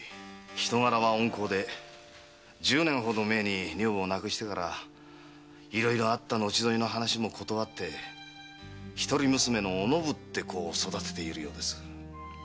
人柄は温厚で十年ほど前に女房を亡くしてからいろいろあった後添いの話も断って一人娘の“おのぶ”って子を育てているようです。